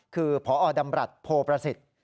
คือพอดำรัฐโพประสิทธิ์